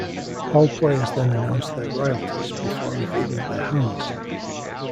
All players then announce their royalties, before revealing their hands.